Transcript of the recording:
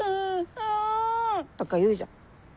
う！」とか言うじゃん。